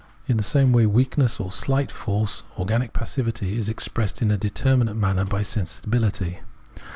In the same way "weakness," or "slight force," organic passivity, is expressed in a determinate manner by sensibiHty.